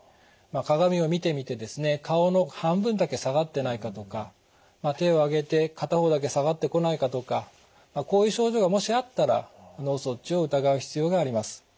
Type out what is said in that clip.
鏡を見てみてですね顔の半分だけ下がってないかとか手を上げて片方だけ下がってこないかとかこういう症状がもしあったら脳卒中を疑う必要があります。